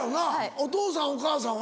お父さんお母さんは？